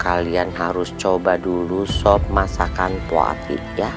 kalian harus coba dulu sob masakan pua atik ya